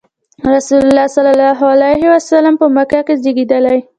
رسول الله ﷺ په مکه کې زېږېدلی.